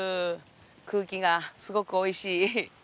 空気がすごくおいしい。